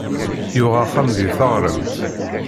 Yuɣ axxam deg taɣremt.